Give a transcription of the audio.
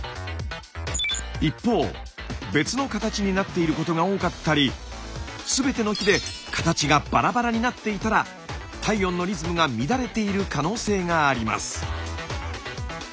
一方別の形になっていることが多かったり全ての日で形がバラバラになっていたら体温のリズムが乱れている可能性があります。